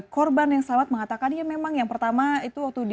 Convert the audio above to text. korban yang selamat mengatakan ya memang yang pertama itu waktu dia